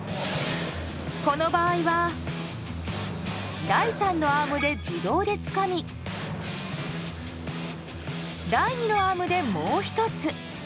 この場合は第３のアームで自動でつかみ第２のアームでもう１つ。